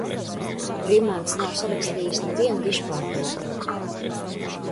Rimants nav sarakstījis nevienu dižpārdokli.